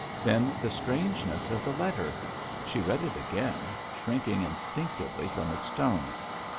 Then the strangeness of the letter! ... She read it again, shrinking instinctively from its tone.